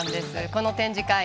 この展示会